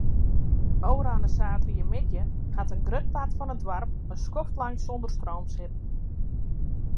Ofrûne saterdeitemiddei hat in grut part fan it doarp in skoftlang sûnder stroom sitten.